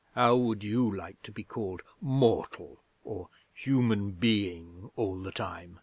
'How would you like to be called "mortal" or "human being" all the time?'